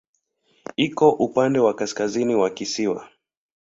Iko upande wa kaskazini wa kisiwa.